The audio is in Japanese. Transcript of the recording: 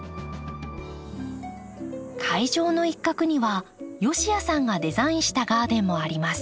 会場の一画には吉谷さんがデザインしたガーデンもあります。